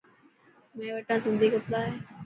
مين وتان سنڌي ڪپڙا هي.